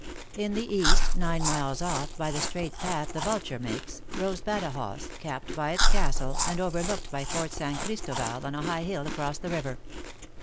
In the East, nine miles off, by the straight path the vulture makes, rose Badajoz, capped by its castle, and over looked by fort San Christoval on a high hill across the river.